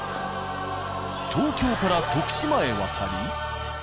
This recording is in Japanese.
東京から徳島へ渡り